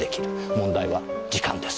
問題は時間です。